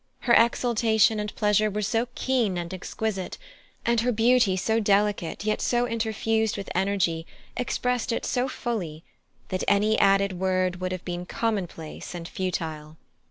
Her exultation and pleasure were so keen and exquisite, and her beauty, so delicate, yet so interfused with energy, expressed it so fully, that any added word would have been commonplace and futile.